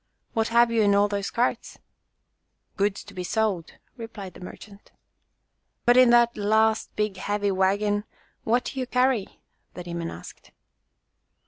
What have you in all those carts ?" "Goods to be sold," replied the merchant. "But in that last big heavy wagon what do you carry?" the demon asked.